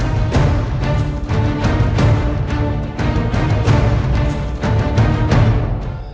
dia mencari perang